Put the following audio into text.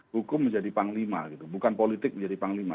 hukum menjadi panglima gitu bukan politik menjadi panglima